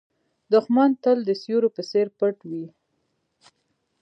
دښمن تل د سیوري په څېر پټ وي